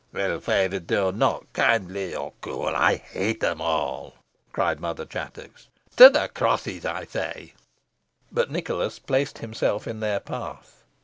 "Well favoured or not, kindly or cruel, I hate them all," cried Mother Chattox. "To the crosses, I say!" But Nicholas placed himself in their path.